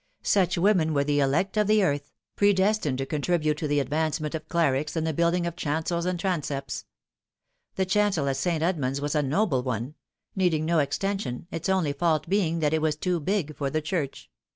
Such women were the elect of the earth, predestined to contribute to the advancement of <;lerics and the building of chancels and transepts. The chancel at St. Edmund's was a noble one, needing no exten sion, its only fault being that it was too big for the church.